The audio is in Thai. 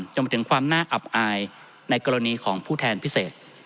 จนถึงความน่าอับอายในกรณีของผู้แทนพิเศษ